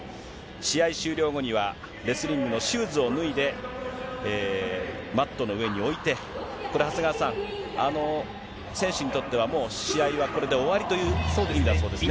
試合終了後には、レスリングのシューズを脱いで、マットの上に置いて、これ、長谷川さん、選手にとっては、もう試合はこれで終わりという意味だそうですね。